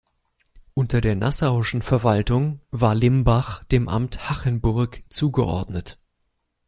Unter der nassauischen Verwaltung war Limbach dem Amt Hachenburg zugeordnet.